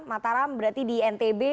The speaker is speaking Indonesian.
mataram berarti di ntb